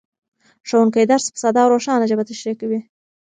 ښوونکی درس په ساده او روښانه ژبه تشریح کوي